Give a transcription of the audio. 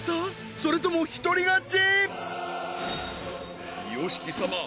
それとも一人勝ち！？